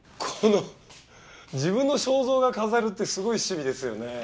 この自分の肖像画飾るってすごい趣味ですよね。